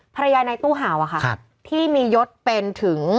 ภรรยายในตู้หาวอะค่ะที่มียศเป็นถึง